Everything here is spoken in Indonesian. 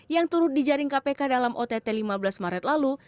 yang turut dijaring kpk dalam ott lima belas maret lalu